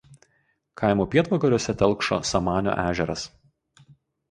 Kaimo pietvakariuose telkšo Samanio ežeras.